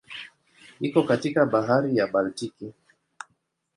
Iko kati ya Bahari ya Baltiki.